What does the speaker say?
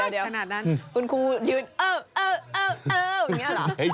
เดี๋ยวคณะนั้นคุณครูยืนเอ้อ